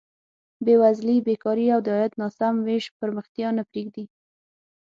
بېوزلي، بېکاري او د عاید ناسم ویش پرمختیا نه پرېږدي.